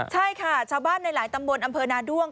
ใช่ค่ะชาวบ้านในหลายตำบลอำเภอนาด้วง